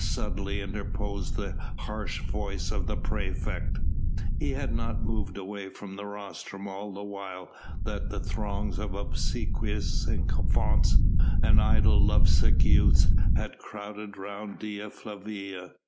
suddenly interposed the harsh voice of the praefect. He had not moved away from the rostrum all the while that the throng of obsequious sycophants and idle lovesick youths had crowded round Dea Flavia.